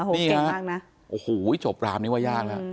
นี่เหรอโอ้โหจบรามนี้ว่ายากน่ะ